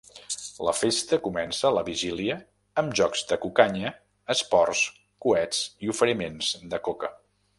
La festa comença la vigília amb jocs de cucanya, esports, coets i oferiment de coca.